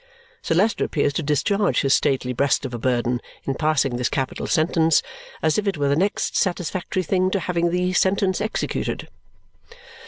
Sir Leicester appears to discharge his stately breast of a burden in passing this capital sentence, as if it were the next satisfactory thing to having the sentence executed.